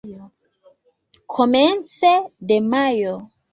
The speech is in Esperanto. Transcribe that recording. Komence de majo.